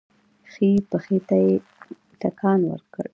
ښی پښې ته يې ټکان ورکړ.